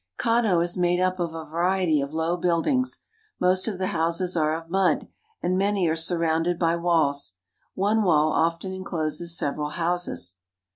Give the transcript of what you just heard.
Kano is made up' of a variety of loW" buildings; most ©f the hoiisesareof mud, and many are surrounded by walls. One wall often incloses several houses.